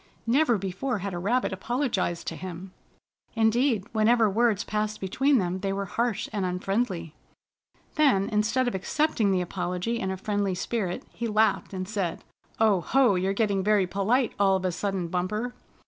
Never before had a rabbit apologized to him. Indeed, whenever words passed between them, they were harsh and unfriendly. Then, instead of accepting the apology in a friendly spirit, he laughed, and said: "Oh! Ho! You're getting very polite all of a sudden, Bumper!